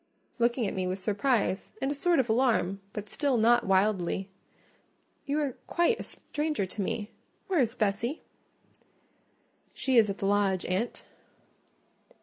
looking at me with surprise and a sort of alarm, but still not wildly. "You are quite a stranger to me—where is Bessie?" "She is at the lodge, aunt."